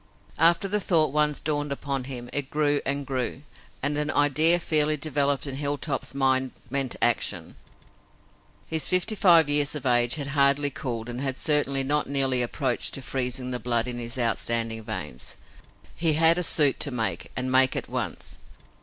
After the thought once dawned upon him, it grew and grew, and an idea fairly developed in Hilltop's mind meant action. His fifty five years of age had hardly cooled and had certainly not nearly approached to freezing the blood in his outstanding veins. He had a suit to make, and make at once.